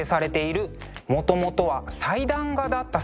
もともとは祭壇画だった作品です。